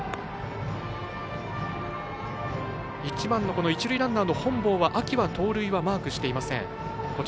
１番の一塁ランナーの本坊は秋は盗塁はマークしていません。